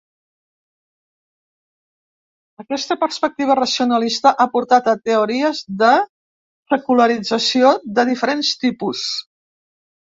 Aquesta perspectiva racionalista ha portat a teories de secularització de diferents tipus.